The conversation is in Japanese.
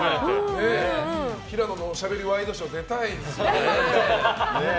「平野のおしゃべりワイドショー」出たいですよね。